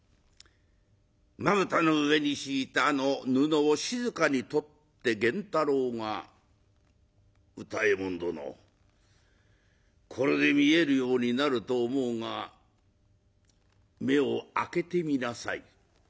まぶたの上に敷いたあの布を静かに取って源太郎が「歌右衛門殿これで見えるようになると思うが目を開けてみなさい」。